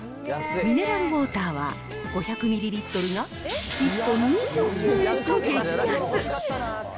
ミネラルウォーターは、５００ミリリットルが１本２９円と激安。